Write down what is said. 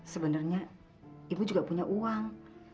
sebenarnya ibu juga punya uang